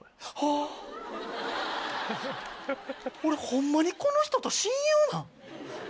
俺ホンマにこの人と親友なん？